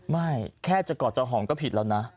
ไม่แค่จะกอดจะหอมก็ผิดแล้วนะ